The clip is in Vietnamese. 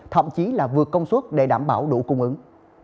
thậm chí là vượt công suất để đảm bảo đủ cung ứng